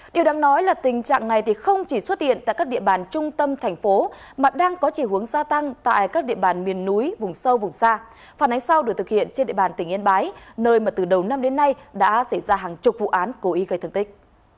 điều đáng nói là tình trạng này không chỉ xuất hiện tại các địa bàn trung tâm thành phố mà đang có chỉ hướng gia tăng tại các địa bàn miền núi vùng sâu vùng xa phản ánh sau được thực hiện trên địa bàn tỉnh yên bái nơi mà từ đầu năm đến nay đã xảy ra hàng chục vụ án cố ý gây thương tích